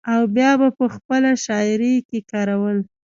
او بيا به پۀ خپله شاعرۍ کښې کارول ۔